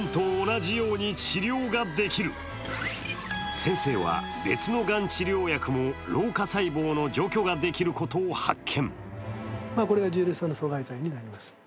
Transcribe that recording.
先生は、別のがん治療薬も老化細胞の除去ができることを発見。